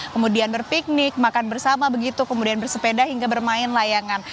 kemudian berpiknik makan bersama begitu kemudian bersepeda hingga bermain layangan